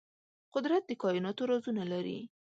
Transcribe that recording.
قدرت د کائناتو رازونه لري.